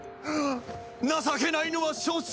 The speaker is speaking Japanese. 情けないのは承知！